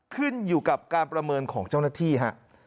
ขึ้นอยู่กับการประเมินของเจ้าหน้าที่ฮะ